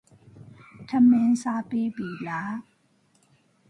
Cooper was born in Watford, Hertfordshire.